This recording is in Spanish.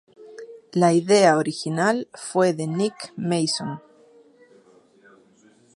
La idea original fue de Nick Mason.